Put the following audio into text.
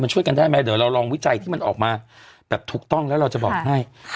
ช่วยกันได้ไหมเดี๋ยวเราลองวิจัยที่มันออกมาแบบถูกต้องแล้วเราจะบอกให้